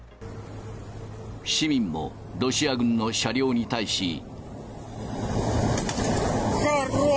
市民もロシア軍の車両に対し。